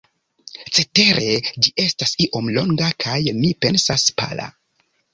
Cetere ĝi estas iom longa kaj, mi pensas, pala.